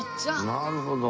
なるほど。